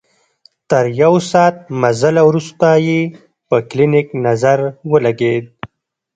تر يو ساعت مزله وروسته يې په کلينيک نظر ولګېد.